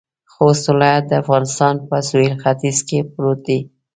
خوست ولایت د افغانستان په سویل ختيځ کې پروت دی.